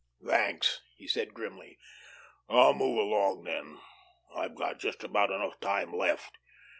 "Thanks!" he said grimly. "I'll move along then; I've got just about enough time left.